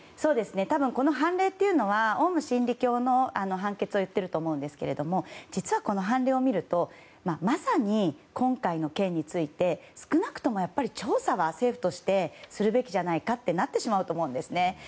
多分、この判例というのはオウム真理教の判決を言っていると思うんですけども実は、この判例を見るとまさに今回の件について少なくとも調査は政府としてするべきじゃないかとなってしまうと思うんですね。